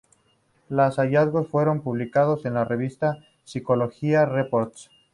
Los hallazgos fueron publicados en la revista "Psychological Reports".